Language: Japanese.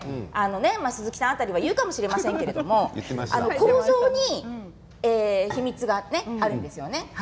鈴木さん辺りが言うかもしれませんけれど構造に秘密があるんですよね。